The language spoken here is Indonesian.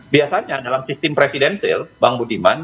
biasanya dalam sistem presidensil bang budiman